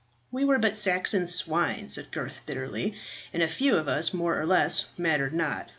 "We were but Saxon swine," said Gurth bitterly, "and a few of us more or less mattered not.